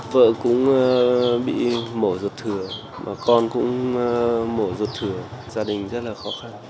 vợ cũng bị mổ rụt thừa con cũng mổ rụt thừa gia đình rất là khó khăn